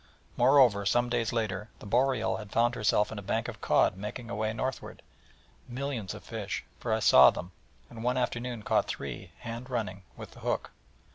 Moreover, some days later, the Boreal had found herself in a bank of cod making away northward, millions of fish, for I saw them, and one afternoon caught three, hand running, with the hook.